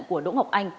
của đỗ ngọc anh